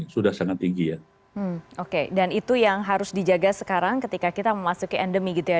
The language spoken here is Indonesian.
sudah sangat tinggi ya oke dan itu yang harus dijaga sekarang ketika kita memasuki endemi gitu ya